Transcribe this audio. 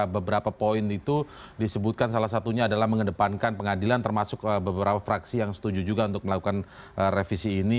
beberapa poin itu disebutkan salah satunya adalah mengedepankan pengadilan termasuk beberapa fraksi yang setuju juga untuk melakukan revisi ini